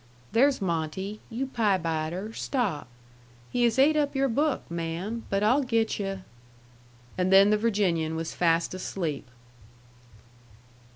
There's Monte...you pie biter, stop.... He has ate up your book, ma'am, but I'll get yu'..." And then the Virginian was fast asleep.